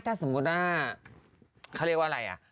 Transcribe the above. ถ้าสมมุติว่าเขาเรียกว่าอะไรอ่ะ